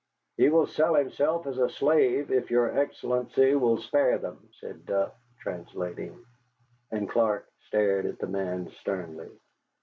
"He will sell himself as a slave if your Excellency will spare them," said Duff, translating. But Clark stared at the man sternly.